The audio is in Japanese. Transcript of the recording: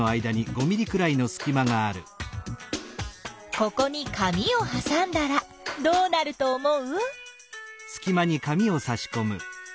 ここに紙をはさんだらどうなると思う？